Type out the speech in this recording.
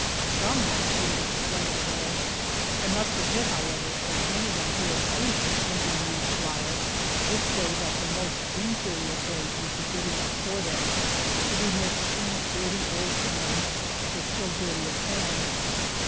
Some one could have explained it all. I must admit, however, that anyone who has seen an Indian use flour would say that the most inferior grade would be good enough for them, to be mixed in dirty old pans, with still dirtier hands.